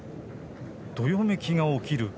どよめきが起きる。